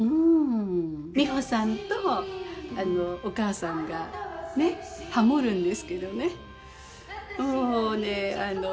美穂さんとお母さんがハモるんですけどね